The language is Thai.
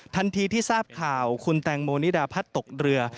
ทันทีที่ทราบข่าวคุณแตงโมนิดาพัดตกเรือ